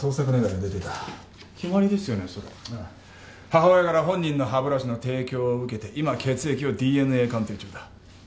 母親から本人の歯ブラシの提供を受けて今血液をＤＮＡ鑑定中だ。